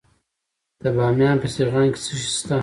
د بامیان په سیغان کې څه شی شته؟